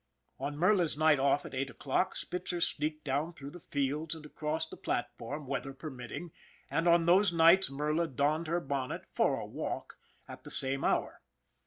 On Merla's night off at eight o'clock, Spitzer sneaked down through the fields and across the plat form, weather permitting, and on those nights Merla donned her bonnet " for a walk " at the same hour.